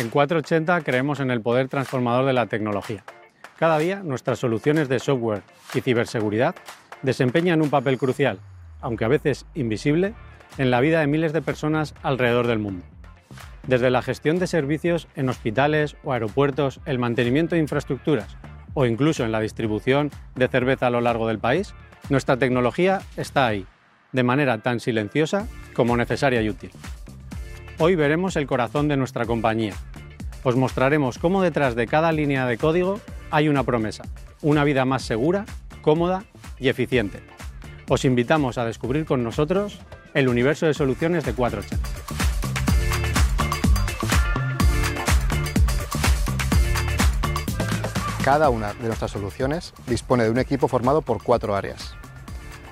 En Cuatro Ochenta creemos en el poder transformador de la tecnología. Cada día, nuestras soluciones de software y ciberseguridad desempeñan un papel crucial, aunque a veces invisible, en la vida de miles de personas alrededor del mundo. Desde la gestión de servicios en hospitales o aeropuertos, el mantenimiento de infraestructuras o incluso en la distribución de cerveza a lo largo del país, nuestra tecnología está ahí, de manera tan silenciosa como necesaria y útil. Hoy veremos el corazón de nuestra compañía. Os mostraremos cómo detrás de cada línea de código hay una promesa: una vida más segura, cómoda y eficiente. Os invitamos a descubrir con nosotros el universo de soluciones de Cuatro Ochenta. Cada una de nuestras soluciones dispone de un equipo formado por cuatro áreas.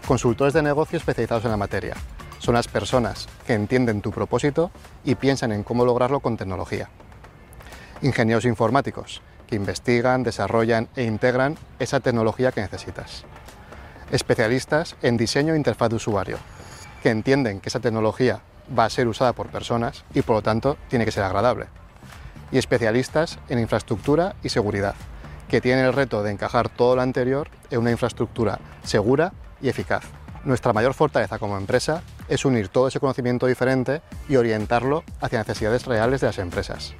Consultores de negocio especializados en la materia. Son las personas que entienden tu propósito y piensan en cómo lograrlo con tecnología. Ingenieros informáticos, que investigan, desarrollan e integran esa tecnología que necesitas. Especialistas en diseño e interfaz de usuario, que entienden que esa tecnología va a ser usada por personas y, por lo tanto, tiene que ser agradable. Y especialistas en infraestructura y seguridad, que tienen el reto de encajar todo lo anterior en una infraestructura segura y eficaz. Nuestra mayor fortaleza como empresa es unir todo ese conocimiento diferente y orientarlo hacia necesidades reales de las empresas.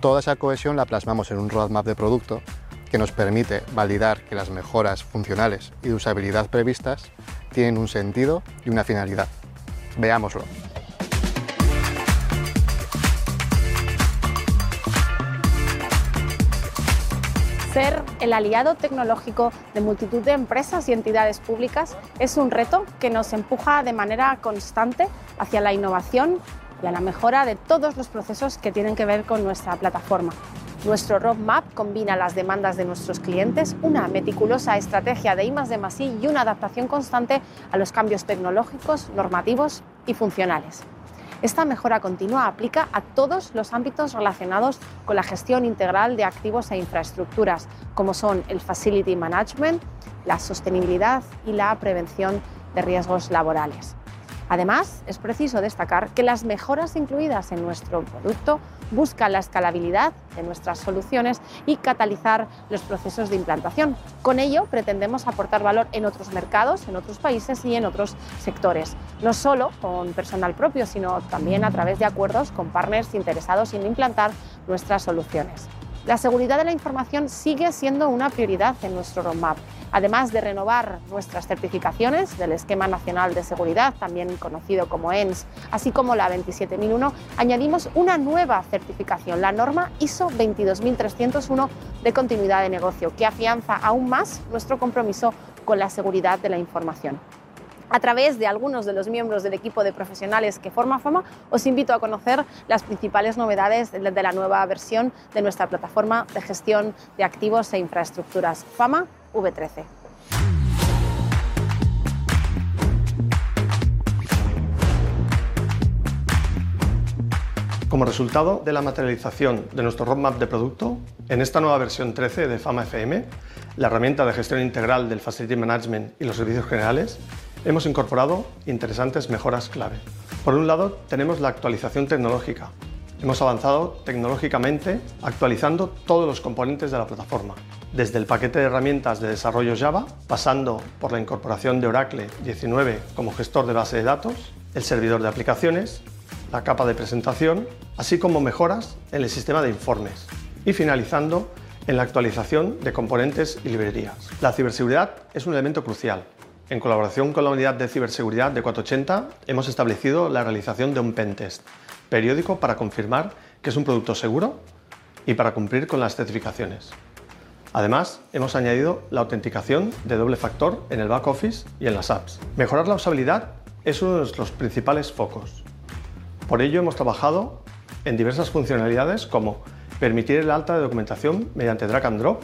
Toda esa cohesión la plasmamos en un roadmap de producto, que nos permite validar que las mejoras funcionales y de usabilidad previstas tienen un sentido y una finalidad. Veámoslo. Ser el aliado tecnológico de multitud de empresas y entidades públicas es un reto que nos empuja de manera constante hacia la innovación y a la mejora de todos los procesos que tienen que ver con nuestra plataforma. Nuestro roadmap combina las demandas de nuestros clientes, una meticulosa estrategia de I+D+i y una adaptación constante a los cambios tecnológicos, normativos y funcionales. Esta mejora continua aplica a todos los ámbitos relacionados con la gestión integral de activos e infraestructuras, como son el facility management, la sostenibilidad y la prevención de riesgos laborales. Además, es preciso destacar que las mejoras incluidas en nuestro producto buscan la escalabilidad de nuestras soluciones y catalizar los procesos de implantación. Con ello, pretendemos aportar valor en otros mercados, en otros países y en otros sectores, no solo con personal propio, sino también a través de acuerdos con partners interesados en implantar nuestras soluciones. La seguridad de la información sigue siendo una prioridad en nuestro roadmap. Además de renovar nuestras certificaciones del Esquema Nacional de Seguridad, también conocido como ENS, así como la 27001, añadimos una nueva certificación, la norma ISO 22301 de continuidad de negocio, que afianza aún más nuestro compromiso con la seguridad de la información. A través de algunos de los miembros del equipo de profesionales que forma Fama, os invito a conocer las principales novedades de la nueva versión de nuestra plataforma de gestión de activos e infraestructuras, Fama V13. Como resultado de la materialización de nuestro roadmap de producto, en esta nueva versión trece de Fama FM, la herramienta de gestión integral del facility management y los servicios generales, hemos incorporado interesantes mejoras clave. Por un lado, tenemos la actualización tecnológica. Hemos avanzado tecnológicamente, actualizando todos los componentes de la plataforma, desde el paquete de herramientas de desarrollo Java, pasando por la incorporación de Oracle 19 como gestor de base de datos, el servidor de aplicaciones, la capa de presentación, así como mejoras en el sistema de informes y finalizando en la actualización de componentes y librerías. La ciberseguridad es un elemento crucial. En colaboración con la Unidad de Ciberseguridad de 480, hemos establecido la realización de un pen test periódico para confirmar que es un producto seguro y para cumplir con las certificaciones. Además, hemos añadido la autenticación de doble factor en el backoffice y en las apps. Mejorar la usabilidad es uno de nuestros principales focos. Por ello, hemos trabajado en diversas funcionalidades, como permitir el alta de documentación mediante drag and drop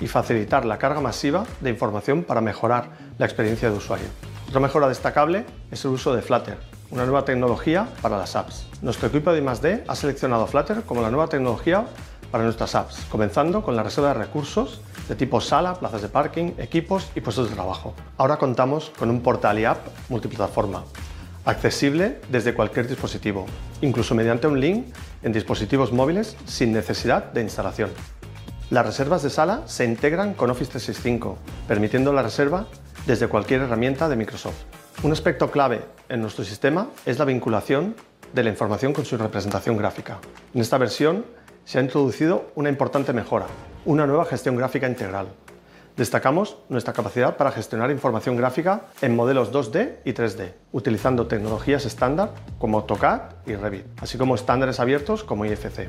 y facilitar la carga masiva de información para mejorar la experiencia de usuario. Otra mejora destacable es el uso de Flutter, una nueva tecnología para las apps. Nuestro equipo de I+D ha seleccionado Flutter como la nueva tecnología para nuestras apps, comenzando con la reserva de recursos de tipo sala, plazas de parking, equipos y puestos de trabajo. Ahora contamos con un portal y app multiplataforma, accesible desde cualquier dispositivo, incluso mediante un link en dispositivos móviles sin necesidad de instalación. Las reservas de sala se integran con Office 365, permitiendo la reserva desde cualquier herramienta de Microsoft. Un aspecto clave en nuestro sistema es la vinculación de la información con su representación gráfica. En esta versión se ha introducido una importante mejora: una nueva gestión gráfica integral. Destacamos nuestra capacidad para gestionar información gráfica en modelos 2D y 3D, utilizando tecnologías estándar como AutoCAD y Revit, así como estándares abiertos como IFC.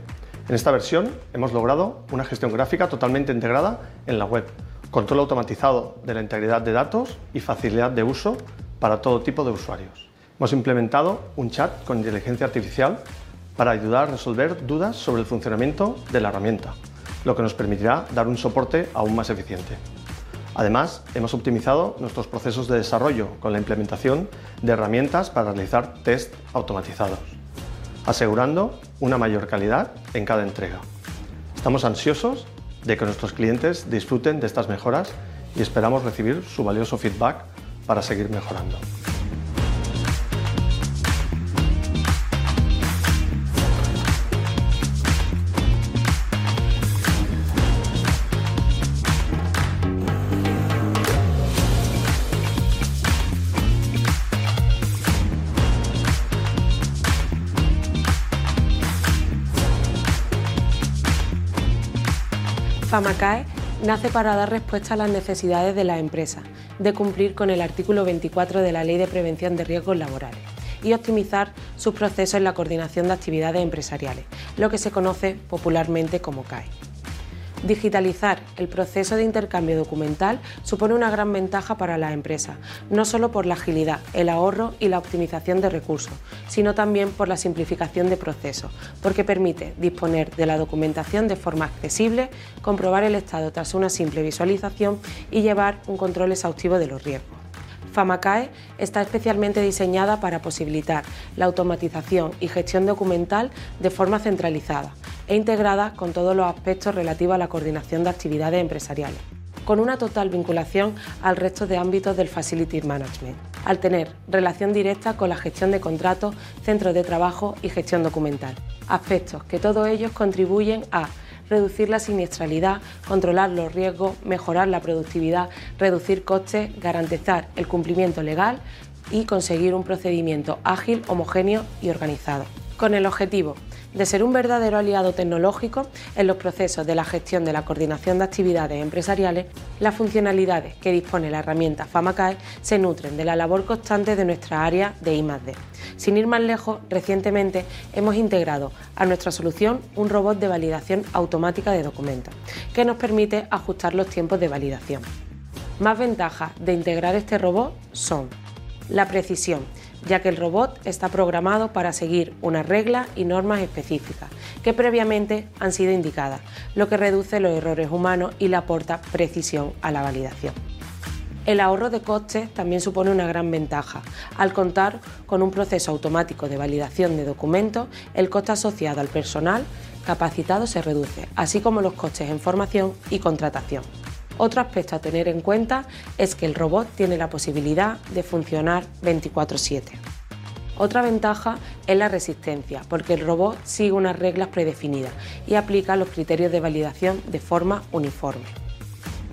En esta versión, hemos logrado una gestión gráfica totalmente integrada en la web, control automatizado de la integridad de datos y facilidad de uso para todo tipo de usuarios. Hemos implementado un chat con inteligencia artificial para ayudar a resolver dudas sobre el funcionamiento de la herramienta, lo que nos permitirá dar un soporte aún más eficiente. Además, hemos optimizado nuestros procesos de desarrollo con la implementación de herramientas para realizar test automatizados. asegurando una mayor calidad en cada entrega. Estamos ansiosos de que nuestros clientes disfruten de estas mejoras y esperamos recibir su valioso feedback para seguir mejorando. FAMA CAE nace para dar respuesta a las necesidades de las empresas de cumplir con el artículo 24 de la Ley de Prevención de Riesgos Laborales y optimizar sus procesos en la coordinación de actividades empresariales, lo que se conoce popularmente como CAE. Digitalizar el proceso de intercambio documental supone una gran ventaja para las empresas, no solo por la agilidad, el ahorro y la optimización de recursos, sino también por la simplificación de procesos, porque permite disponer de la documentación de forma accesible, comprobar el estado tras una simple visualización y llevar un control exhaustivo de los riesgos. FAMA CAE está especialmente diseñada para posibilitar la automatización y gestión documental de forma centralizada e integrada con todos los aspectos relativos a la coordinación de actividades empresariales, con una total vinculación al resto de ámbitos del facility management, al tener relación directa con la gestión de contratos, centros de trabajo y gestión documental. Aspectos que todos ellos contribuyen a reducir la siniestralidad, controlar los riesgos, mejorar la productividad, reducir costes, garantizar el cumplimiento legal y conseguir un procedimiento ágil, homogéneo y organizado. Con el objetivo de ser un verdadero aliado tecnológico en los procesos de la gestión de la coordinación de actividades empresariales, las funcionalidades que dispone la herramienta FAMA CAE se nutren de la labor constante de nuestra área de I+D. Sin ir más lejos, recientemente hemos integrado a nuestra solución un robot de validación automática de documentos, que nos permite ajustar los tiempos de validación. Más ventajas de integrar este robot son: la precisión, ya que el robot está programado para seguir unas reglas y normas específicas que previamente han sido indicadas, lo que reduce los errores humanos y le aporta precisión a la validación. El ahorro de costes también supone una gran ventaja. Al contar con un proceso automático de validación de documentos, el coste asociado al personal capacitado se reduce, así como los costes en formación y contratación. Otro aspecto a tener en cuenta es que el robot tiene la posibilidad de funcionar 24/7. Otra ventaja es la consistencia, porque el robot sigue unas reglas predefinidas y aplica los criterios de validación de forma uniforme.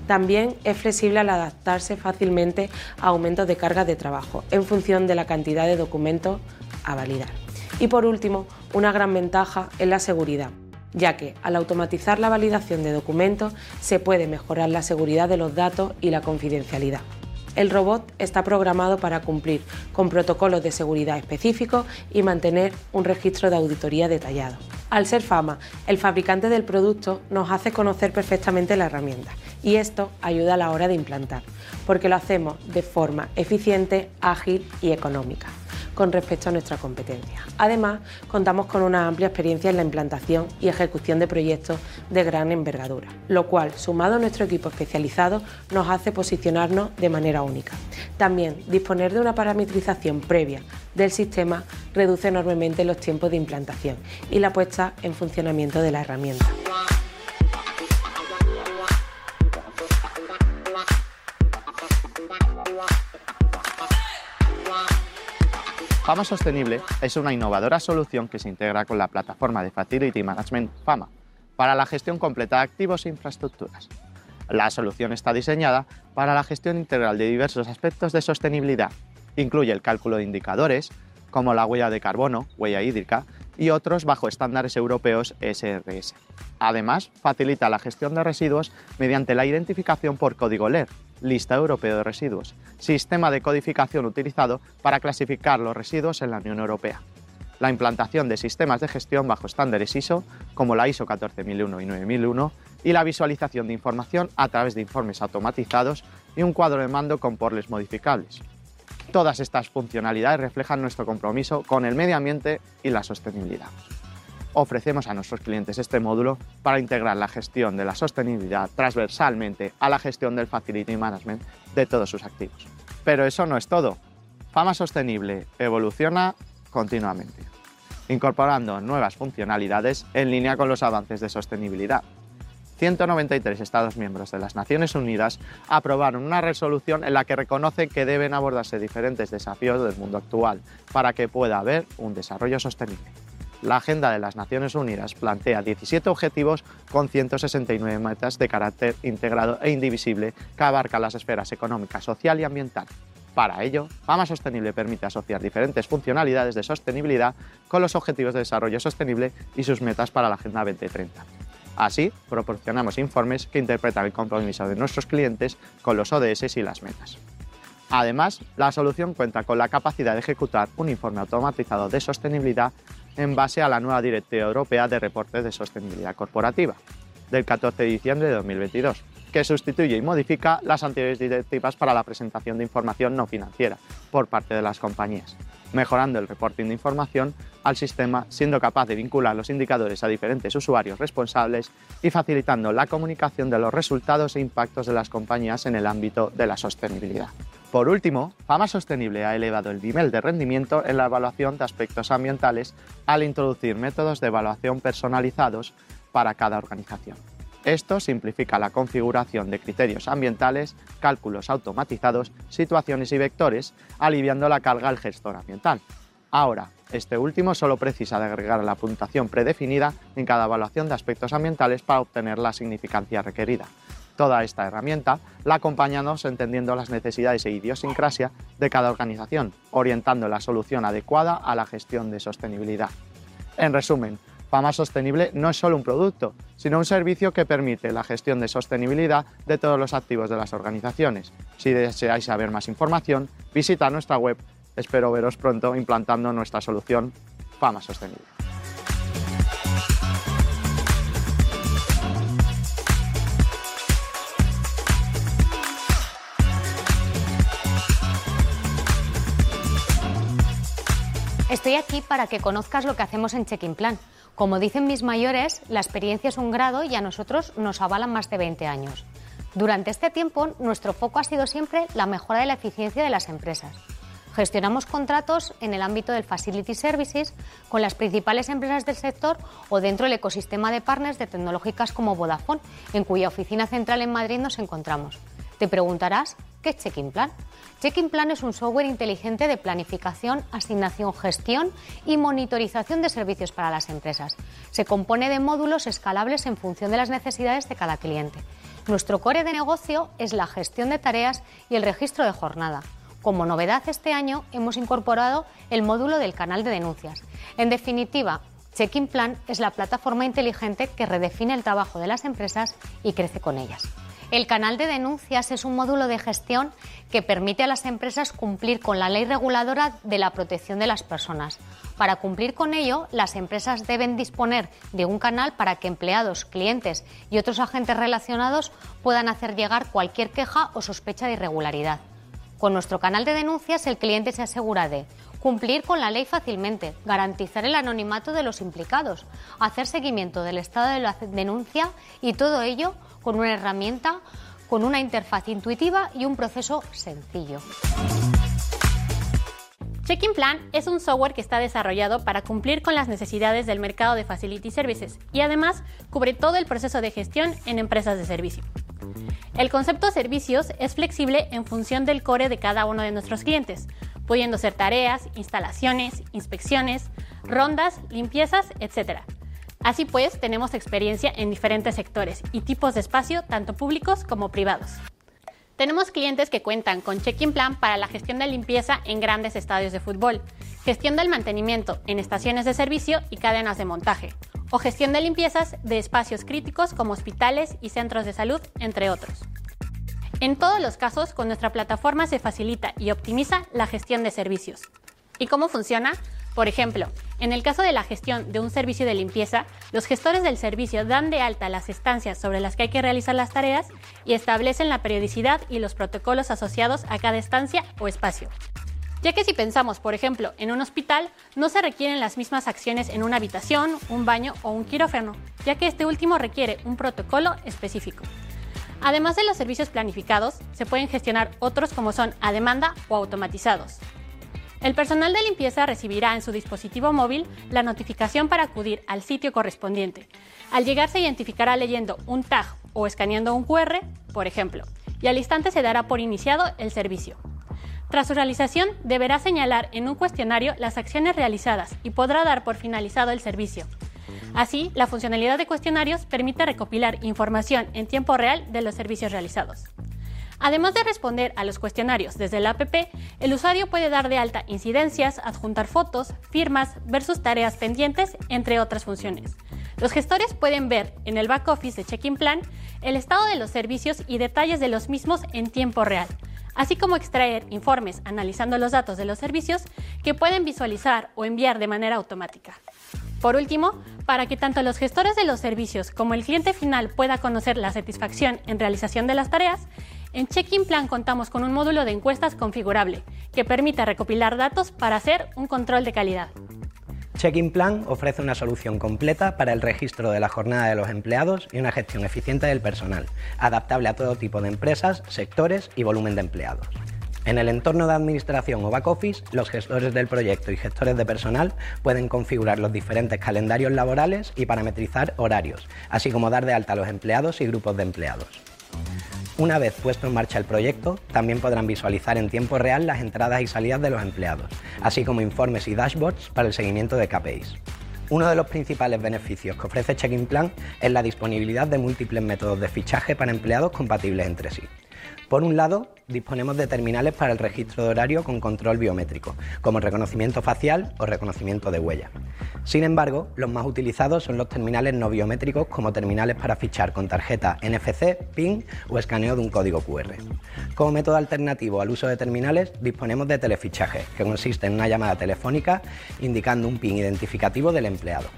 También es flexible al adaptarse fácilmente a aumentos de carga de trabajo, en función de la cantidad de documentos a validar. Y, por último, una gran ventaja es la seguridad, ya que, al automatizar la validación de documentos, se puede mejorar la seguridad de los datos y la confidencialidad. El robot está programado para cumplir con protocolos de seguridad específicos y mantener un registro de auditoría detallado. Al ser FAMA el fabricante del producto, nos hace conocer perfectamente la herramienta, y esto ayuda a la hora de implantar, porque lo hacemos de forma eficiente, ágil y económica con respecto a nuestra competencia. Además, contamos con una amplia experiencia en la implantación y ejecución de proyectos de gran envergadura, lo cual, sumado a nuestro equipo especializado, nos hace posicionarnos de manera única. También, disponer de una parametrización previa del sistema reduce enormemente los tiempos de implantación y la puesta en funcionamiento de la herramienta. FAMA Sostenible es una innovadora solución que se integra con la plataforma de Facility Management FAMA para la gestión completa de activos e infraestructuras. La solución está diseñada para la gestión integral de diversos aspectos de sostenibilidad. Incluye el cálculo de indicadores como la huella de carbono, huella hídrica y otros bajo estándares europeos SRS. Además, facilita la gestión de residuos mediante la identificación por código LER, Lista Europea de Residuos, sistema de codificación utilizado para clasificar los residuos en la Unión Europea. La implantación de sistemas de gestión bajo estándares ISO, como la ISO 14001 y 9001, y la visualización de información a través de informes automatizados y un cuadro de mando con portales modificables. Todas estas funcionalidades reflejan nuestro compromiso con el medio ambiente y la sostenibilidad. Ofrecemos a nuestros clientes este módulo para integrar la gestión de la sostenibilidad transversalmente a la gestión del facility management de todos sus activos. Pero eso no es todo. FAMA Sostenible evoluciona continuamente, incorporando nuevas funcionalidades en línea con los avances de sostenibilidad. Ciento noventa y tres Estados miembros de las Naciones Unidas aprobaron una resolución en la que reconocen que deben abordarse diferentes desafíos del mundo actual para que pueda haber un desarrollo sostenible. La Agenda de las Naciones Unidas plantea diecisiete objetivos con ciento sesenta y nueve metas de carácter integrado e indivisible, que abarca las esferas económica, social y ambiental. Para ello, FAMA Sostenible permite asociar diferentes funcionalidades de sostenibilidad con los Objetivos de Desarrollo Sostenible y sus metas para la Agenda 2030. Así, proporcionamos informes que interpretan el compromiso de nuestros clientes con los ODS y las metas. Además, la solución cuenta con la capacidad de ejecutar un informe automatizado de sostenibilidad en base a la nueva Directiva Europea de Reportes de Sostenibilidad Corporativa, del 14 de diciembre de 2022, que sustituye y modifica las anteriores directivas para la presentación de información no financiera por parte de las compañías, mejorando el reporting de información al sistema, siendo capaz de vincular los indicadores a diferentes usuarios responsables y facilitando la comunicación de los resultados e impactos de las compañías en el ámbito de la sostenibilidad. Por último, Fama Sostenible ha elevado el nivel de rendimiento en la evaluación de aspectos ambientales al introducir métodos de evaluación personalizados para cada organización. Esto simplifica la configuración de criterios ambientales, cálculos automatizados, situaciones y vectores, aliviando la carga al gestor ambiental. Ahora, este último solo precisa agregar la puntuación predefinida en cada evaluación de aspectos ambientales para obtener la significancia requerida. Toda esta herramienta la acompañamos entendiendo las necesidades e idiosincrasia de cada organización, orientando la solución adecuada a la gestión de sostenibilidad. En resumen, Fama Sostenible no es solo un producto, sino un servicio que permite la gestión de sostenibilidad de todos los activos de las organizaciones. Si deseáis saber más información, visitad nuestra web. Espero veros pronto implantando nuestra solución: Fama Sostenible. Estoy aquí para que conozcas lo que hacemos en Checkinplan. Como dicen mis mayores, la experiencia es un grado y a nosotros nos avalan más de veinte años. Durante este tiempo, nuestro foco ha sido siempre la mejora de la eficiencia de las empresas. Gestionamos contratos en el ámbito del facility services con las principales empresas del sector o dentro del ecosistema de partners de tecnológicas como Vodafone, en cuya oficina central en Madrid nos encontramos. Te preguntarás: ¿qué es Checkinplan? Checkinplan es un software inteligente de planificación, asignación, gestión y monitorización de servicios para las empresas. Se compone de módulos escalables en función de las necesidades de cada cliente. Nuestro core de negocio es la gestión de tareas y el registro de jornada. Como novedad, este año hemos incorporado el módulo del canal de denuncias. En definitiva, Checkinplan es la plataforma inteligente que redefine el trabajo de las empresas y crece con ellas. El canal de denuncias es un módulo de gestión que permite a las empresas cumplir con la ley reguladora de la protección de las personas. Para cumplir con ello, las empresas deben disponer de un canal para que empleados, clientes y otros agentes relacionados puedan hacer llegar cualquier queja o sospecha de irregularidad. Con nuestro canal de denuncias, el cliente se asegura de cumplir con la ley fácilmente, garantizar el anonimato de los implicados, hacer seguimiento del estado de la denuncia y todo ello con una herramienta con una interfaz intuitiva y un proceso sencillo. Checkinplan es un software que está desarrollado para cumplir con las necesidades del mercado de facility services y, además, cubre todo el proceso de gestión en empresas de servicio. El concepto de servicios es flexible en función del core de cada uno de nuestros clientes, pudiendo ser tareas, instalaciones, inspecciones, rondas, limpiezas, etcétera. Así pues, tenemos experiencia en diferentes sectores y tipos de espacio, tanto públicos como privados. Tenemos clientes que cuentan con Checkinplan para la gestión de limpieza en grandes estadios de fútbol, gestión del mantenimiento en estaciones de servicio y cadenas de montaje, o gestión de limpiezas de espacios críticos como hospitales y centros de salud, entre otros. En todos los casos, con nuestra plataforma se facilita y optimiza la gestión de servicios. ¿Y cómo funciona? Por ejemplo, en el caso de la gestión de un servicio de limpieza, los gestores del servicio dan de alta las estancias sobre las que hay que realizar las tareas y establecen la periodicidad y los protocolos asociados a cada estancia o espacio. Ya que si pensamos, por ejemplo, en un hospital, no se requieren las mismas acciones en una habitación, un baño o un quirófano, ya que este último requiere un protocolo específico. Además de los servicios planificados, se pueden gestionar otros como son a demanda o automatizados. El personal de limpieza recibirá en su dispositivo móvil la notificación para acudir al sitio correspondiente. Al llegar, se identificará leyendo un tag o escaneando un QR, por ejemplo, y al instante se dará por iniciado el servicio. Tras su realización, deberá señalar en un cuestionario las acciones realizadas y podrá dar por finalizado el servicio. Así, la funcionalidad de cuestionarios permite recopilar información en tiempo real de los servicios realizados. Además de responder a los cuestionarios desde la app, el usuario puede dar de alta incidencias, adjuntar fotos, firmas, ver sus tareas pendientes, entre otras funciones. Los gestores pueden ver en el back office de Checkinplan el estado de los servicios y detalles de los mismos en tiempo real, así como extraer informes analizando los datos de los servicios, que pueden visualizar o enviar de manera automática. Por último, para que tanto los gestores de los servicios como el cliente final pueda conocer la satisfacción en realización de las tareas, en Checkinplan contamos con un módulo de encuestas configurable, que permite recopilar datos para hacer un control de calidad. Checkinplan ofrece una solución completa para el registro de la jornada de los empleados y una gestión eficiente del personal, adaptable a todo tipo de empresas, sectores y volumen de empleados. En el entorno de administración o back office, los gestores del proyecto y gestores de personal pueden configurar los diferentes calendarios laborales y parametrizar horarios, así como dar de alta a los empleados y grupos de empleados. Una vez puesto en marcha el proyecto, también podrán visualizar en tiempo real las entradas y salidas de los empleados, así como informes y dashboards para el seguimiento de KPIs. Uno de los principales beneficios que ofrece Checkinplan es la disponibilidad de múltiples métodos de fichaje para empleados compatibles entre sí. Por un lado, disponemos de terminales para el registro de horario con control biométrico, como el reconocimiento facial o reconocimiento de huella. Sin embargo, los más utilizados son los terminales no biométricos, como terminales para fichar con tarjeta NFC, PIN o escaneo de un código QR. Como método alternativo al uso de terminales, disponemos de telefichaje, que consiste en una llamada telefónica indicando un PIN identificativo del empleado.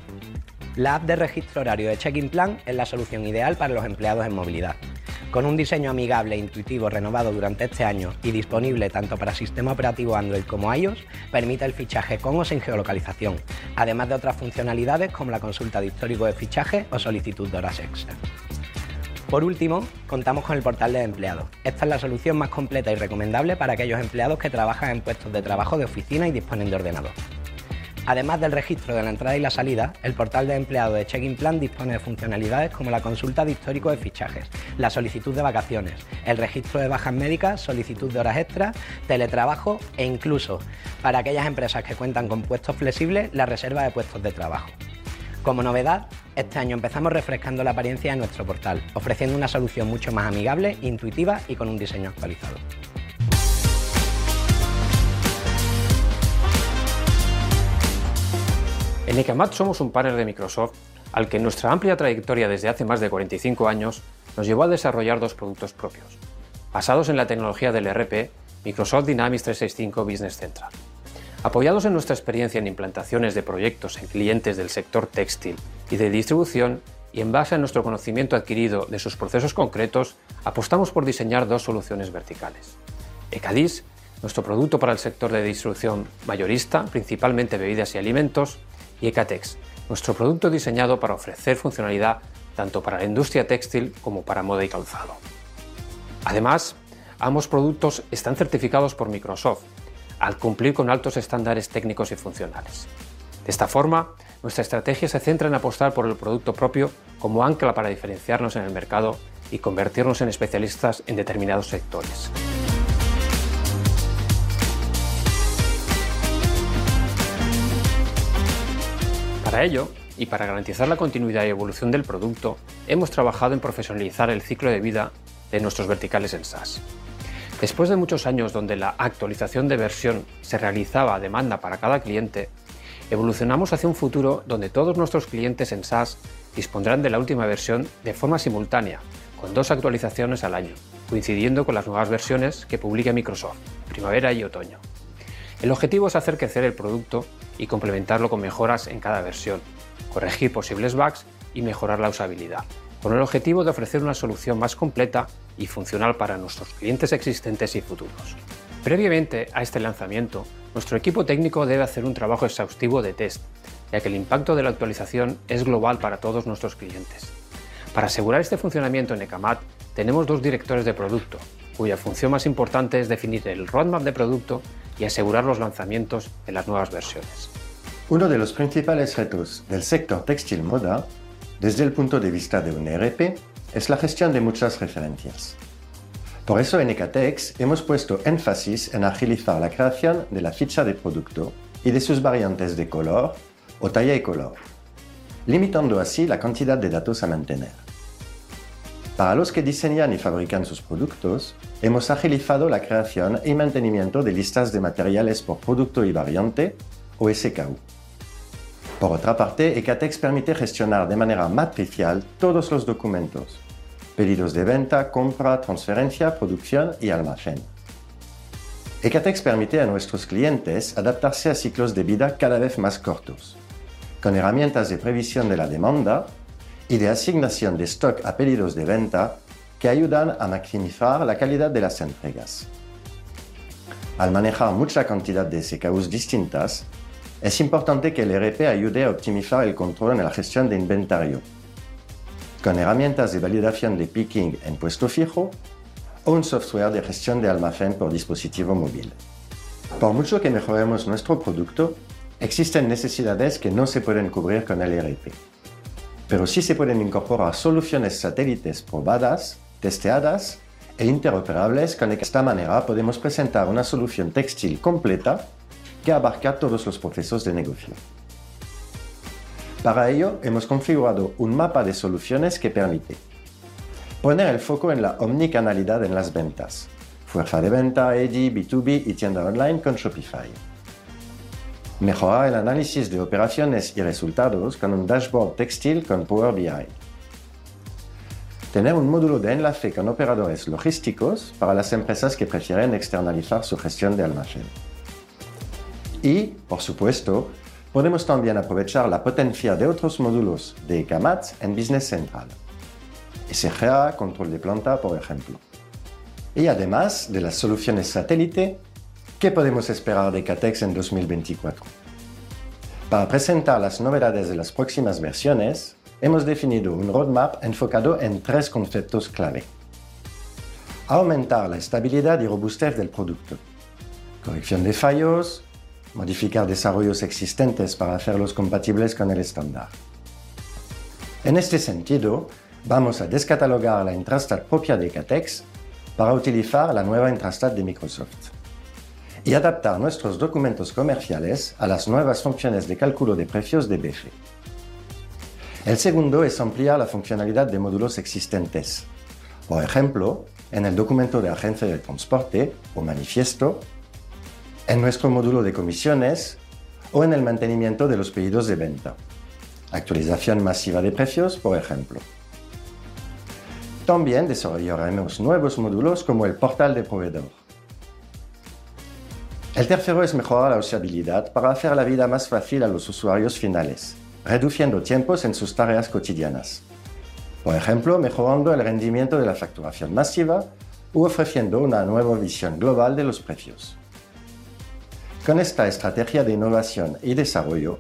La app de registro horario de Checkinplan es la solución ideal para los empleados en movilidad. Con un diseño amigable e intuitivo, renovado durante este año y disponible tanto para sistema operativo Android como iOS, permite el fichaje con o sin geolocalización, además de otras funcionalidades como la consulta de histórico de fichaje o solicitud de horas extra. Por último, contamos con el portal de empleados. Esta es la solución más completa y recomendable para aquellos empleados que trabajan en puestos de trabajo de oficina y disponen de ordenador. Además del registro de la entrada y la salida, el portal de empleados de Check in Plan dispone de funcionalidades como la consulta de histórico de fichajes, la solicitud de vacaciones, el registro de bajas médicas, solicitud de horas extras, teletrabajo e incluso, para aquellas empresas que cuentan con puestos flexibles, la reserva de puestos de trabajo. Como novedad, este año empezamos refrescando la apariencia de nuestro portal, ofreciendo una solución mucho más amigable, intuitiva y con un diseño actualizado. En Ecamat somos un partner de Microsoft, al que nuestra amplia trayectoria desde hace más de cuarenta y cinco años nos llevó a desarrollar dos productos propios, basados en la tecnología del ERP Microsoft Dynamics 365 Business Central. Apoyados en nuestra experiencia en implantaciones de proyectos en clientes del sector textil y de distribución, y en base a nuestro conocimiento adquirido de sus procesos concretos, apostamos por diseñar dos soluciones verticales: ECADIS, nuestro producto para el sector de distribución mayorista, principalmente bebidas y alimentos, y ECATEX, nuestro producto diseñado para ofrecer funcionalidad tanto para la industria textil como para moda y calzado. Además, ambos productos están certificados por Microsoft, al cumplir con altos estándares técnicos y funcionales. De esta forma, nuestra estrategia se centra en apostar por el producto propio como ancla para diferenciarnos en el mercado y convertirnos en especialistas en determinados sectores. Para ello, y para garantizar la continuidad y evolución del producto, hemos trabajado en profesionalizar el ciclo de vida de nuestros verticales en SAS. Después de muchos años donde la actualización de versión se realizaba a demanda para cada cliente, evolucionamos hacia un futuro donde todos nuestros clientes en SAS dispondrán de la última versión de forma simultánea, con dos actualizaciones al año, coincidiendo con las nuevas versiones que publique Microsoft, primavera y otoño. El objetivo es hacer crecer el producto y complementarlo con mejoras en cada versión, corregir posibles bugs y mejorar la usabilidad, con el objetivo de ofrecer una solución más completa y funcional para nuestros clientes existentes y futuros. Previamente a este lanzamiento, nuestro equipo técnico debe hacer un trabajo exhaustivo de test, ya que el impacto de la actualización es global para todos nuestros clientes. Para asegurar este funcionamiento, en Ecamat tenemos dos directores de producto, cuya función más importante es definir el roadmap de producto y asegurar los lanzamientos en las nuevas versiones. Uno de los principales retos del sector textil-moda, desde el punto de vista de un ERP, es la gestión de muchas referencias. Por eso, en ECATEX hemos puesto énfasis en agilizar la creación de la ficha de producto y de sus variantes de color o talla y color, limitando así la cantidad de datos a mantener. Para los que diseñan y fabrican sus productos, hemos agilizado la creación y mantenimiento de listas de materiales por producto y variante o SKU. Por otra parte, ECATEX permite gestionar de manera matricial todos los documentos: pedidos de venta, compra, transferencia, producción y almacén. ECATEX permite a nuestros clientes adaptarse a ciclos de vida cada vez más cortos, con herramientas de previsión de la demanda y de asignación de stock a pedidos de venta, que ayudan a maximizar la calidad de las entregas. Al manejar mucha cantidad de SKUs distintas, es importante que el ERP ayude a optimizar el control en la gestión de inventario, con herramientas de validación de picking en puesto fijo o un software de gestión de almacén por dispositivo móvil. Por mucho que mejoremos nuestro producto, existen necesidades que no se pueden cubrir con el ERP, pero sí se pueden incorporar soluciones satélites probadas, testeadas e interoperables, con lo que de esta manera podemos presentar una solución textil completa que abarca todos los procesos de negocio. Para ello, hemos configurado un mapa de soluciones que permite: poner el foco en la omnicanalidad en las ventas, fuerza de venta, EDI, B2B y tienda online con Shopify. Mejorar el análisis de operaciones y resultados con un dashboard textil con Power BI. Tener un módulo de enlace con operadores logísticos para las empresas que prefieren externalizar su gestión de almacén. Y, por supuesto, podemos también aprovechar la potencia de otros módulos de Ecamat en Business Central, SGA, control de planta, por ejemplo. Y además de las soluciones satélite, ¿qué podemos esperar de ECATEX en 2024? Para presentar las novedades de las próximas versiones, hemos definido un roadmap enfocado en tres conceptos clave: aumentar la estabilidad y robustez del producto, corrección de fallos, modificar desarrollos existentes para hacerlos compatibles con el estándar. En este sentido, vamos a descatalogar la Intrastat propia de ECATEX para utilizar la nueva Intrastat de Microsoft y adaptar nuestros documentos comerciales a las nuevas funciones de cálculo de precios de BC. El segundo es ampliar la funcionalidad de módulos existentes. Por ejemplo, en el documento de agencia de transporte o manifiesto, en nuestro módulo de comisiones o en el mantenimiento de los pedidos de venta, actualización masiva de precios, por ejemplo. También desarrollaremos nuevos módulos, como el portal de proveedor. El tercero es mejorar la usabilidad para hacer la vida más fácil a los usuarios finales, reduciendo tiempos en sus tareas cotidianas. Por ejemplo, mejorando el rendimiento de la facturación masiva u ofreciendo una nueva visión global de los precios. Con esta estrategia de innovación y desarrollo,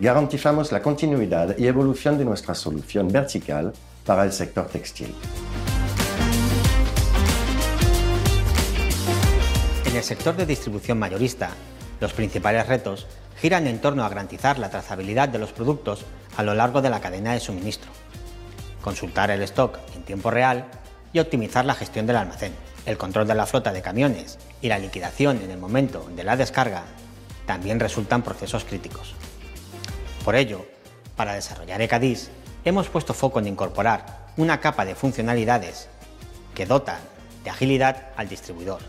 garantizamos la continuidad y evolución de nuestra solución vertical para el sector textil. En el sector de distribución mayorista, los principales retos giran en torno a garantizar la trazabilidad de los productos a lo largo de la cadena de suministro, consultar el stock en tiempo real y optimizar la gestión del almacén. El control de la flota de camiones y la liquidación en el momento de la descarga también resultan procesos críticos. Por ello, para desarrollar ECADIS, hemos puesto foco en incorporar una capa de funcionalidades que dota de agilidad al distribuidor,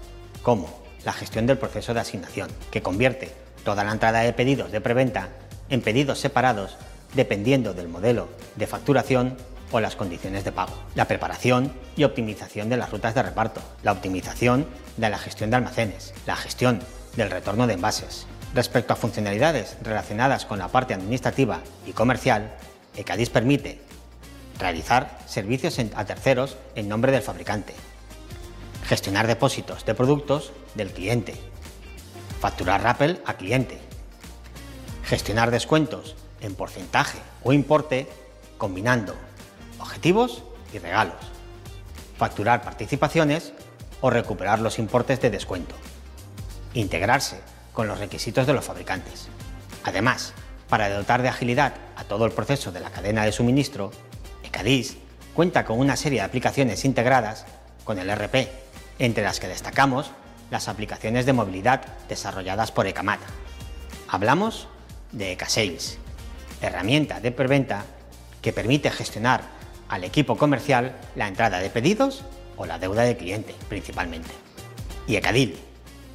como la gestión del proceso de asignación, que convierte toda la entrada de pedidos de preventa en pedidos separados, dependiendo del modelo de facturación o las condiciones de pago. La preparación y optimización de las rutas de reparto, la optimización de la gestión de almacenes, la gestión del retorno de envases. Respecto a funcionalidades relacionadas con la parte administrativa y comercial, ECADIS permite realizar servicios a terceros en nombre del fabricante, gestionar depósitos de productos del cliente, facturar RAPEL a cliente, gestionar descuentos en porcentaje o importe, combinando objetivos y regalos, facturar participaciones o recuperar los importes de descuento, integrarse con los requisitos de los fabricantes. Además, para dotar de agilidad a todo el proceso de la cadena de suministro, ECADIS cuenta con una serie de aplicaciones integradas con el ERP, entre las que destacamos las aplicaciones de movilidad desarrolladas por EKAMAT. Hablamos de ECSALES, herramienta de preventa que permite gestionar al equipo comercial la entrada de pedidos o la deuda de cliente, principalmente. Y ECADEAL,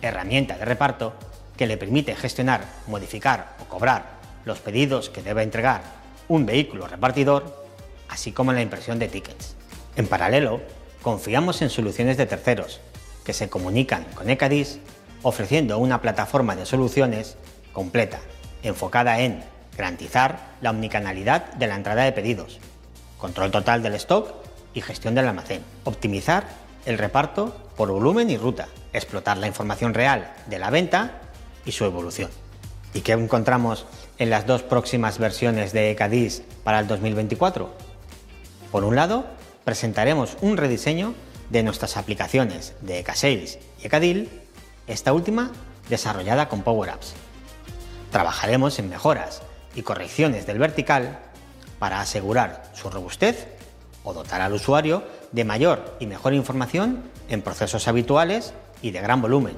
herramienta de reparto que le permite gestionar, modificar o cobrar los pedidos que debe entregar un vehículo repartidor, así como la impresión de tickets. En paralelo, confiamos en soluciones de terceros que se comunican con ECADIS, ofreciendo una plataforma de soluciones completa, enfocada en garantizar la omnicanalidad de la entrada de pedidos, control total del stock y gestión del almacén, optimizar el reparto por volumen y ruta, explotar la información real de la venta y su evolución. ¿Y qué encontramos en las dos próximas versiones de ECADIS para el 2024? Por un lado, presentaremos un rediseño de nuestras aplicaciones de ECSALES y ECADEAL, esta última desarrollada con Power Apps. Trabajaremos en mejoras y correcciones del vertical para asegurar su robustez o dotar al usuario de mayor y mejor información en procesos habituales y de gran volumen,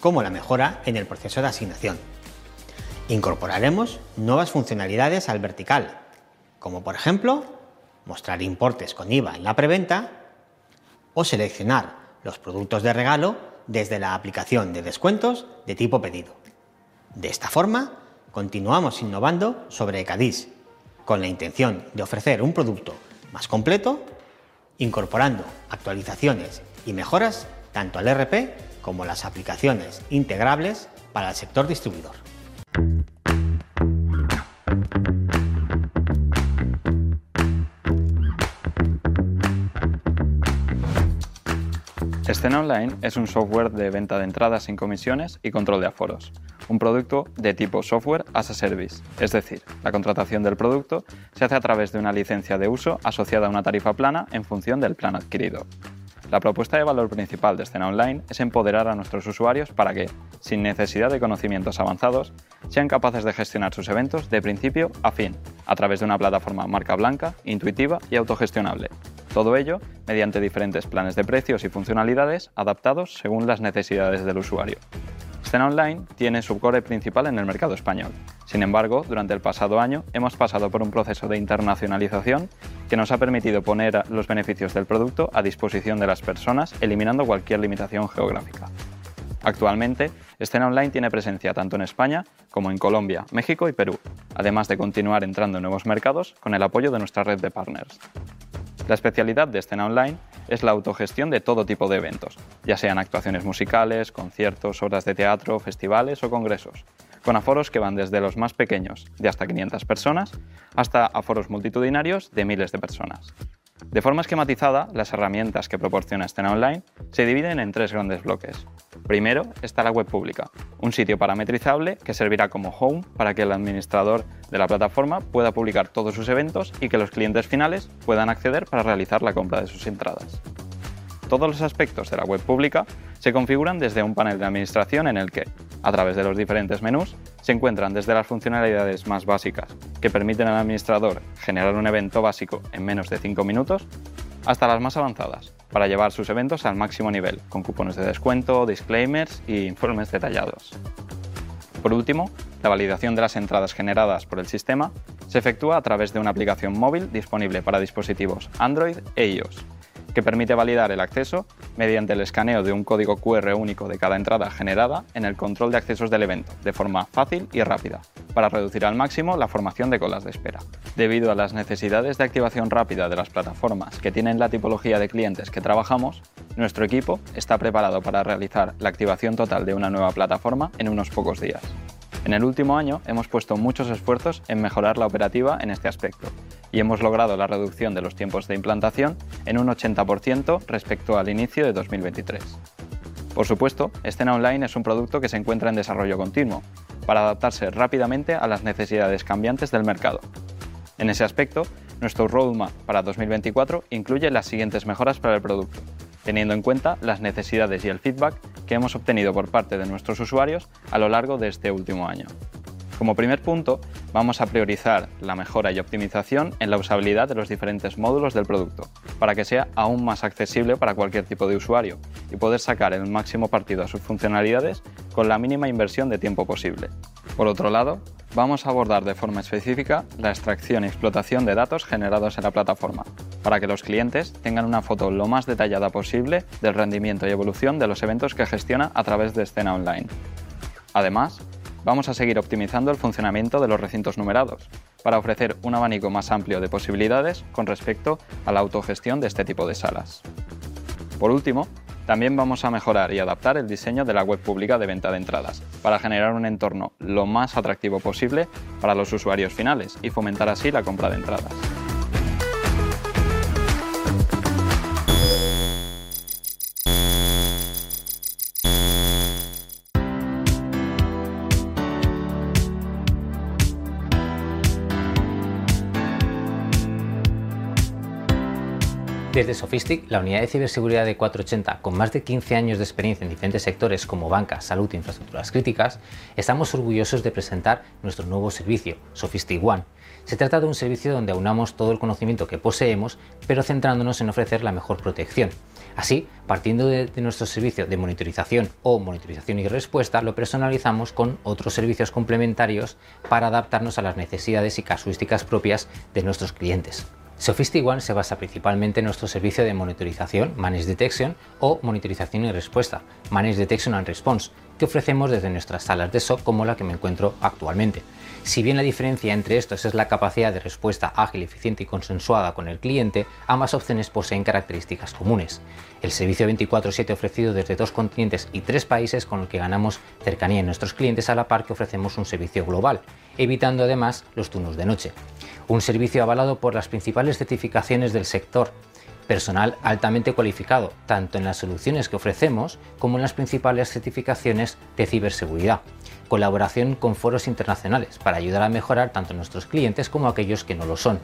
como la mejora en el proceso de asignación. Incorporaremos nuevas funcionalidades al vertical, como por ejemplo, mostrar importes con IVA en la preventa o seleccionar los productos de regalo desde la aplicación de descuentos de tipo pedido. De esta forma, continuamos innovando sobre ECADIS, con la intención de ofrecer un producto más completo, incorporando actualizaciones y mejoras tanto al ERP como las aplicaciones integrables para el sector distribuidor. Escena Online es un software de venta de entradas sin comisiones y control de aforos, un producto de tipo software as a service. Es decir, la contratación del producto se hace a través de una licencia de uso asociada a una tarifa plana en función del plan adquirido. La propuesta de valor principal de Escena Online es empoderar a nuestros usuarios para que, sin necesidad de conocimientos avanzados, sean capaces de gestionar sus eventos de principio a fin, a través de una plataforma marca blanca, intuitiva y autogestionable. Todo ello mediante diferentes planes de precios y funcionalidades adaptados según las necesidades del usuario. Escena Online tiene su core principal en el mercado español. Sin embargo, durante el pasado año hemos pasado por un proceso de internacionalización que nos ha permitido poner los beneficios del producto a disposición de las personas, eliminando cualquier limitación geográfica. Actualmente, Escena Online tiene presencia tanto en España como en Colombia, México y Perú, además de continuar entrando en nuevos mercados con el apoyo de nuestra red de partners. La especialidad de Escena Online es la autogestión de todo tipo de eventos, ya sean actuaciones musicales, conciertos, obras de teatro, festivales o congresos, con aforos que van desde los más pequeños, de hasta quinientas personas, hasta aforos multitudinarios de miles de personas. De forma esquematizada, las herramientas que proporciona Escena Online se dividen en tres grandes bloques. Primero, está la web pública, un sitio parametrizable que servirá como home para que el administrador de la plataforma pueda publicar todos sus eventos y que los clientes finales puedan acceder para realizar la compra de sus entradas. Todos los aspectos de la web pública se configuran desde un panel de administración, en el que, a través de los diferentes menús, se encuentran desde las funcionalidades más básicas, que permiten al administrador generar un evento básico en menos de cinco minutos, hasta las más avanzadas, para llevar sus eventos al máximo nivel, con cupones de descuento, disclaimers e informes detallados. Por último, la validación de las entradas generadas por el sistema se efectúa a través de una aplicación móvil disponible para dispositivos Android e iOS, que permite validar el acceso mediante el escaneo de un código QR único de cada entrada generada en el control de accesos del evento, de forma fácil y rápida, para reducir al máximo la formación de colas de espera. Debido a las necesidades de activación rápida de las plataformas que tienen la tipología de clientes que trabajamos, nuestro equipo está preparado para realizar la activación total de una nueva plataforma en unos pocos días. En el último año hemos puesto muchos esfuerzos en mejorar la operativa en este aspecto y hemos logrado la reducción de los tiempos de implantación en un 80% respecto al inicio de 2023. Por supuesto, Escena Online es un producto que se encuentra en desarrollo continuo para adaptarse rápidamente a las necesidades cambiantes del mercado. En ese aspecto, nuestro roadmap para 2024 incluye las siguientes mejoras para el producto, teniendo en cuenta las necesidades y el feedback que hemos obtenido por parte de nuestros usuarios a lo largo de este último año. Como primer punto, vamos a priorizar la mejora y optimización en la usabilidad de los diferentes módulos del producto, para que sea aún más accesible para cualquier tipo de usuario y poder sacar el máximo partido a sus funcionalidades con la mínima inversión de tiempo posible. Por otro lado, vamos a abordar de forma específica la extracción y explotación de datos generados en la plataforma, para que los clientes tengan una foto lo más detallada posible del rendimiento y evolución de los eventos que gestiona a través de Escena Online. Además, vamos a seguir optimizando el funcionamiento de los recintos numerados para ofrecer un abanico más amplio de posibilidades con respecto a la autogestión de este tipo de salas. Por último, también vamos a mejorar y adaptar el diseño de la web pública de venta de entradas, para generar un entorno lo más atractivo posible para los usuarios finales y fomentar así la compra de entradas. Desde Sofistic, la unidad de ciberseguridad de cuatroochenta, con más de quince años de experiencia en diferentes sectores como banca, salud e infraestructuras críticas, estamos orgullosos de presentar nuestro nuevo servicio, Sofistic One. Se trata de un servicio donde aunamos todo el conocimiento que poseemos, pero centrándonos en ofrecer la mejor protección. Así, partiendo de nuestros servicios de monitorización o monitorización y respuesta, lo personalizamos con otros servicios complementarios para adaptarnos a las necesidades y casuísticas propias de nuestros clientes. Sofistic One se basa principalmente en nuestro servicio de monitorización, managed detection, o monitorización y respuesta, managed detection and response, que ofrecemos desde nuestras salas de SOC, como la que me encuentro actualmente. Si bien la diferencia entre estas es la capacidad de respuesta ágil, eficiente y consensuada con el cliente, ambas opciones poseen características comunes. El servicio veinticuatro siete, ofrecido desde dos continentes y tres países, con lo que ganamos cercanía en nuestros clientes a la par que ofrecemos un servicio global, evitando además los turnos de noche. Un servicio avalado por las principales certificaciones del sector, personal altamente cualificado, tanto en las soluciones que ofrecemos como en las principales certificaciones de ciberseguridad. Colaboración con foros internacionales para ayudar a mejorar tanto a nuestros clientes como a aquellos que no lo son.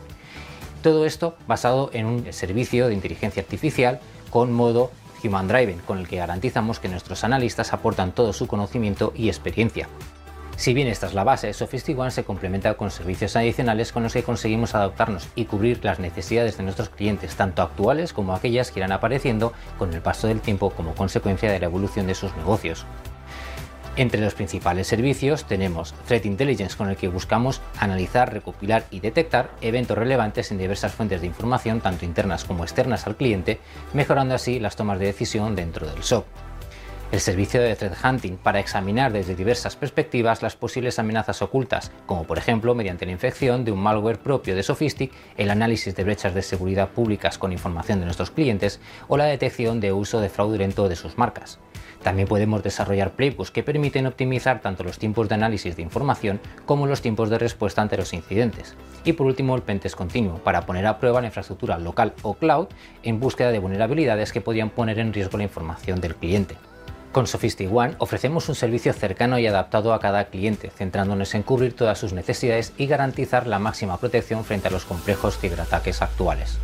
Todo esto basado en un servicio de inteligencia artificial con modo human driving, con el que garantizamos que nuestros analistas aportan todo su conocimiento y experiencia. Si bien esta es la base, Sofistic One se complementa con servicios adicionales con los que conseguimos adaptarnos y cubrir las necesidades de nuestros clientes, tanto actuales como aquellas que irán apareciendo con el paso del tiempo, como consecuencia de la evolución de sus negocios. Entre los principales servicios tenemos Threat Intelligence, con el que buscamos analizar, recopilar y detectar eventos relevantes en diversas fuentes de información, tanto internas como externas al cliente, mejorando así las tomas de decisión dentro del SOC. El servicio de Threat Hunting, para examinar desde diversas perspectivas las posibles amenazas ocultas, como por ejemplo, mediante la infección de un malware propio de Sofistic, el análisis de brechas de seguridad públicas con información de nuestros clientes o la detección de uso fraudulento de sus marcas. También podemos desarrollar playbooks, que permiten optimizar tanto los tiempos de análisis de información como los tiempos de respuesta ante los incidentes. Y, por último, el pen test continuo, para poner a prueba la infraestructura local o cloud en búsqueda de vulnerabilidades que podrían poner en riesgo la información del cliente. Con Sofistic One ofrecemos un servicio cercano y adaptado a cada cliente, centrándonos en cubrir todas sus necesidades y garantizar la máxima protección frente a los complejos ciberataques actuales.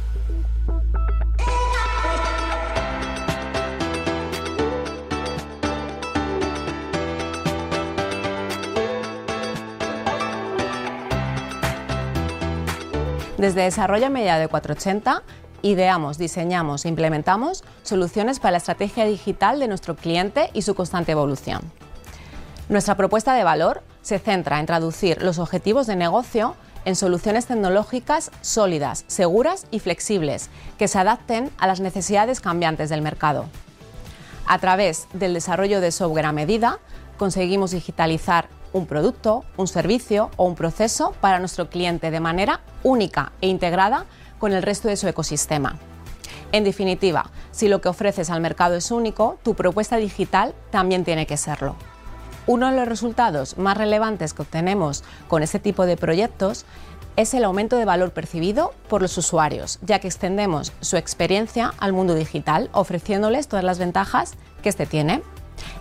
Desde desarrollo a medida de cuatroochenta, ideamos, diseñamos e implementamos soluciones para la estrategia digital de nuestro cliente y su constante evolución. Nuestra propuesta de valor se centra en traducir los objetivos de negocio en soluciones tecnológicas sólidas, seguras y flexibles, que se adapten a las necesidades cambiantes del mercado. A través del desarrollo de software a medida, conseguimos digitalizar un producto, un servicio o un proceso para nuestro cliente, de manera única e integrada con el resto de su ecosistema. En definitiva, si lo que ofreces al mercado es único, tu propuesta digital también tiene que serlo. Uno de los resultados más relevantes que obtenemos con este tipo de proyectos es el aumento de valor percibido por los usuarios, ya que extendemos su experiencia al mundo digital, ofreciéndoles todas las ventajas que este tiene.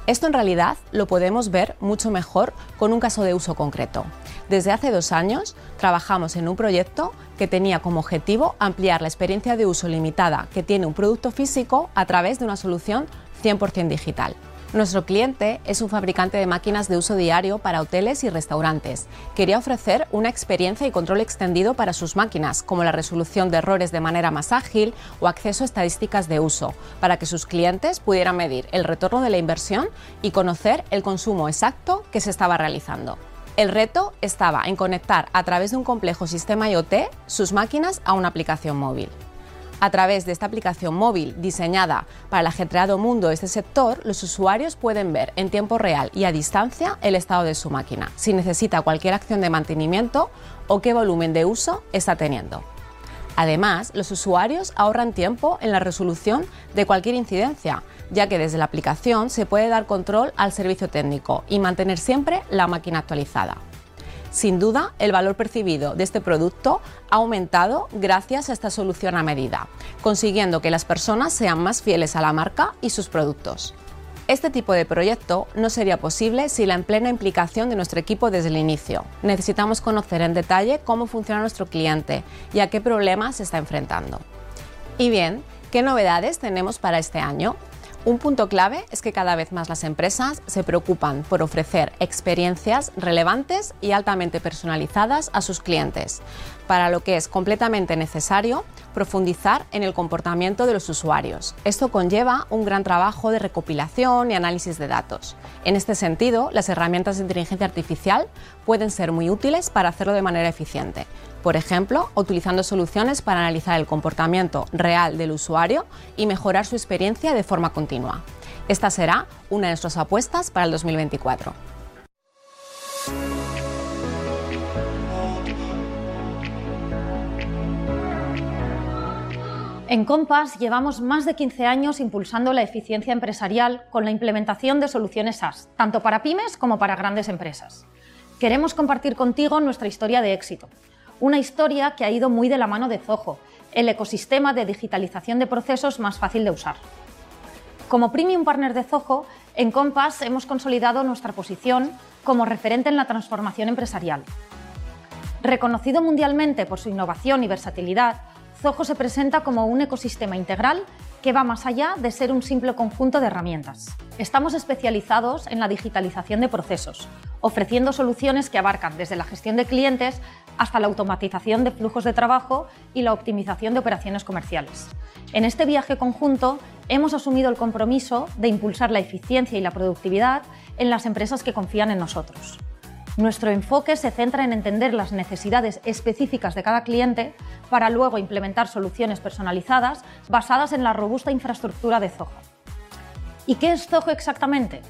Esto, en realidad, lo podemos ver mucho mejor con un caso de uso concreto. Desde hace dos años trabajamos en un proyecto que tenía como objetivo ampliar la experiencia de uso limitada que tiene un producto físico a través de una solución 100% digital. Nuestro cliente es un fabricante de máquinas de uso diario para hoteles y restaurantes. Quería ofrecer una experiencia y control extendido para sus máquinas, como la resolución de errores de manera más ágil o acceso a estadísticas de uso, para que sus clientes pudieran medir el retorno de la inversión y conocer el consumo exacto que se estaba realizando. El reto estaba en conectar, a través de un complejo sistema IoT, sus máquinas a una aplicación móvil. A través de esta aplicación móvil, diseñada para el ajetreado mundo de este sector, los usuarios pueden ver en tiempo real y a distancia el estado de su máquina, si necesita cualquier acción de mantenimiento o qué volumen de uso está teniendo. Además, los usuarios ahorran tiempo en la resolución de cualquier incidencia, ya que desde la aplicación se puede dar control al servicio técnico y mantener siempre la máquina actualizada. Sin duda, el valor percibido de este producto ha aumentado gracias a esta solución a medida, consiguiendo que las personas sean más fieles a la marca y sus productos. Este tipo de proyecto no sería posible sin la plena implicación de nuestro equipo desde el inicio. Necesitamos conocer en detalle cómo funciona nuestro cliente y a qué problemas se está enfrentando. ¿Qué novedades tenemos para este año? Un punto clave es que cada vez más las empresas se preocupan por ofrecer experiencias relevantes y altamente personalizadas a sus clientes, para lo que es completamente necesario profundizar en el comportamiento de los usuarios. Esto conlleva un gran trabajo de recopilación y análisis de datos. En este sentido, las herramientas de inteligencia artificial pueden ser muy útiles para hacerlo de manera eficiente. Por ejemplo, utilizando soluciones para analizar el comportamiento real del usuario y mejorar su experiencia de forma continua. Esta será una de nuestras apuestas para el 2024. En Compass llevamos más de quince años impulsando la eficiencia empresarial con la implementación de soluciones SaaS, tanto para pymes como para grandes empresas. Queremos compartir contigo nuestra historia de éxito, una historia que ha ido muy de la mano de Zoho, el ecosistema de digitalización de procesos más fácil de usar. Como Premium Partner de Zoho, en Compass hemos consolidado nuestra posición como referente en la transformación empresarial. Reconocido mundialmente por su innovación y versatilidad, Zoho se presenta como un ecosistema integral que va más allá de ser un simple conjunto de herramientas. Estamos especializados en la digitalización de procesos, ofreciendo soluciones que abarcan desde la gestión de clientes hasta la automatización de flujos de trabajo y la optimización de operaciones comerciales. En este viaje conjunto, hemos asumido el compromiso de impulsar la eficiencia y la productividad en las empresas que confían en nosotros. Nuestro enfoque se centra en entender las necesidades específicas de cada cliente, para luego implementar soluciones personalizadas basadas en la robusta infraestructura de Zoho. ¿Y qué es Zoho exactamente?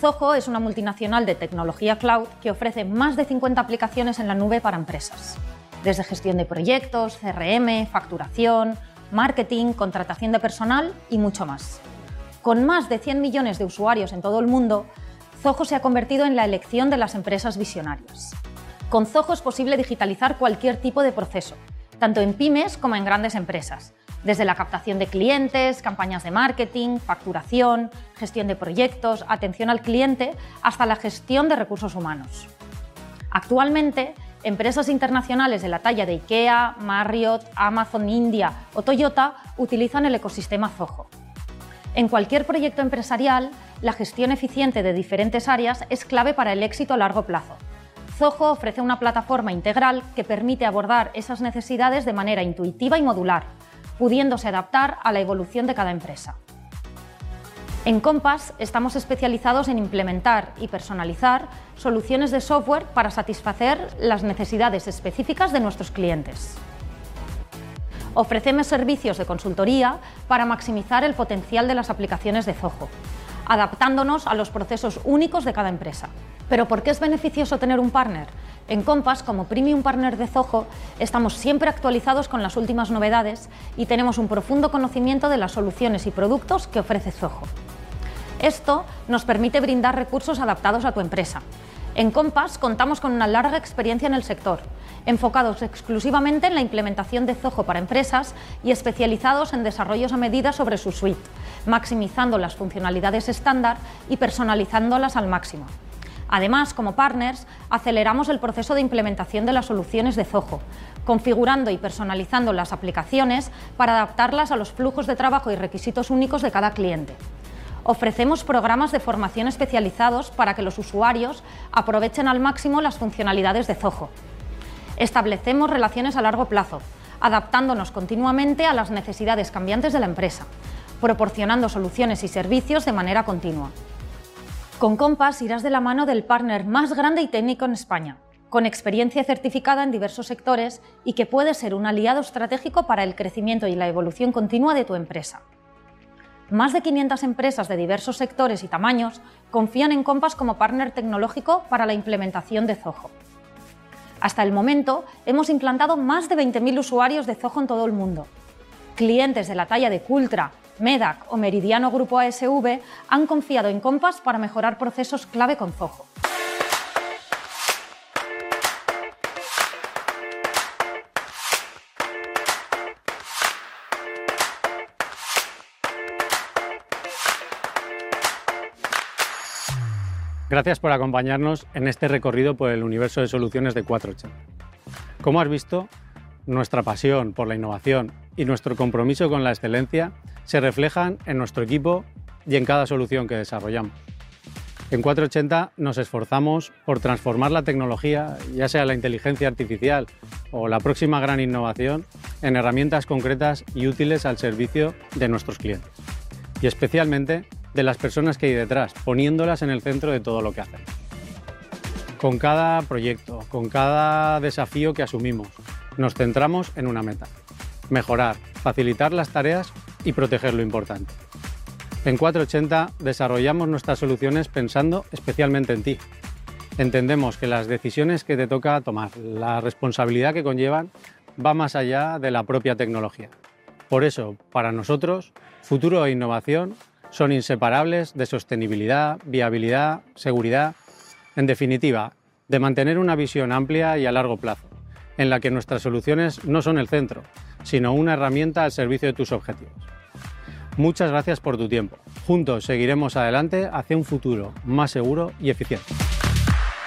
Zoho es una multinacional de tecnología cloud que ofrece más de cincuenta aplicaciones en la nube para empresas, desde gestión de proyectos, CRM, facturación, marketing, contratación de personal y mucho más. Con más de cien millones de usuarios en todo el mundo, Zoho se ha convertido en la elección de las empresas visionarias. Con Zoho es posible digitalizar cualquier tipo de proceso, tanto en pymes como en grandes empresas: desde la captación de clientes, campañas de marketing, facturación, gestión de proyectos, atención al cliente, hasta la gestión de recursos humanos. Actualmente, empresas internacionales de la talla de IKEA, Marriott, Amazon, India o Toyota utilizan el ecosistema Zoho. En cualquier proyecto empresarial, la gestión eficiente de diferentes áreas es clave para el éxito a largo plazo. Zoho ofrece una plataforma integral que permite abordar esas necesidades de manera intuitiva y modular, pudiéndose adaptar a la evolución de cada empresa. En Compass estamos especializados en implementar y personalizar soluciones de software para satisfacer las necesidades específicas de nuestros clientes. Ofrecemos servicios de consultoría para maximizar el potencial de las aplicaciones de Zoho, adaptándonos a los procesos únicos de cada empresa. ¿Pero por qué es beneficioso tener un partner? En Compass, como Premium Partner de Zoho, estamos siempre actualizados con las últimas novedades y tenemos un profundo conocimiento de las soluciones y productos que ofrece Zoho. Esto nos permite brindar recursos adaptados a tu empresa. En Compass contamos con una larga experiencia en el sector, enfocados exclusivamente en la implementación de Zoho para empresas y especializados en desarrollos a medida sobre su suite, maximizando las funcionalidades estándar y personalizándolas al máximo. Además, como partners, aceleramos el proceso de implementación de las soluciones de Zoho, configurando y personalizando las aplicaciones para adaptarlas a los flujos de trabajo y requisitos únicos de cada cliente. Ofrecemos programas de formación especializados para que los usuarios aprovechen al máximo las funcionalidades de Zoho. Establecemos relaciones a largo plazo, adaptándonos continuamente a las necesidades cambiantes de la empresa, proporcionando soluciones y servicios de manera continua. Con Compass irás de la mano del partner más grande y técnico en España, con experiencia certificada en diversos sectores y que puede ser un aliado estratégico para el crecimiento y la evolución continua de tu empresa. Más de quinientas empresas de diversos sectores y tamaños confían en Compass como partner tecnológico para la implementación de Zoho. Hasta el momento, hemos implantado más de veinte mil usuarios de Zoho en todo el mundo. Clientes de la talla de Qaltra, Medac o Meridiano Grupo ASV han confiado en Compass para mejorar procesos clave con Zoho. Gracias por acompañarnos en este recorrido por el universo de soluciones de Cuatro Ochenta. Como has visto, nuestra pasión por la innovación y nuestro compromiso con la excelencia se reflejan en nuestro equipo y en cada solución que desarrollamos. En Cuatro Ochenta nos esforzamos por transformar la tecnología, ya sea la inteligencia artificial o la próxima gran innovación, en herramientas concretas y útiles al servicio de nuestros clientes, y especialmente, de las personas que hay detrás, poniéndolas en el centro de todo lo que hacemos. Con cada proyecto, con cada desafío que asumimos, nos centramos en una meta: mejorar, facilitar las tareas y proteger lo importante. En Cuatro Ochenta desarrollamos nuestras soluciones pensando especialmente en ti. Entendemos que las decisiones que te toca tomar, la responsabilidad que conllevan, va más allá de la propia tecnología. Por eso, para nosotros, futuro e innovación son inseparables de sostenibilidad, viabilidad, seguridad... En definitiva, de mantener una visión amplia y a largo plazo, en la que nuestras soluciones no son el centro, sino una herramienta al servicio de tus objetivos. Muchas gracias por tu tiempo. Juntos seguiremos adelante hacia un futuro más seguro y eficiente.